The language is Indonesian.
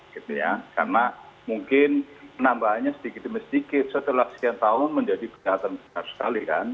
karena mungkin penambahannya sedikit demi sedikit setelah sekian tahun menjadi kejahatan besar sekali kan